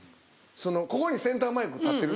ここにセンターマイク立ってる